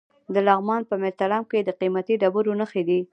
د لغمان په مهترلام کې د قیمتي ډبرو نښې دي.